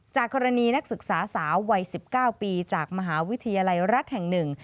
กรณีนักศึกษาสาววัย๑๙ปีจากมหาวิทยาลัยรัฐแห่งหนึ่ง